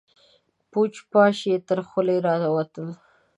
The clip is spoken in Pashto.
پوچ، پاش يې تر خولې راوتل.